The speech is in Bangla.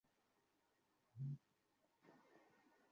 খালিদ বিন ওলীদ প্রস্তুত করেছে?